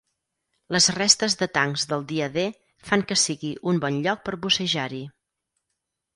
Les restes de tancs del Dia D fan que sigui un bon lloc per bussejar-hi.